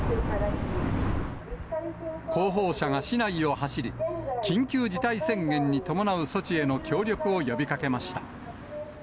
広報車が市内を走り、緊急事態宣言に伴う措置への協力を呼びかけました。